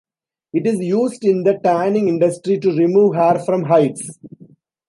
It is used in the tanning industry to remove hair from hides.